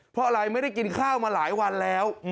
เพราะอะไรไม่ได้กินข้าวมาหลายวันแล้ว